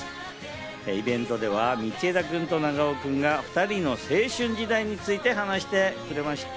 イベントでは道枝君と長尾君が２人の青春時代について話していました。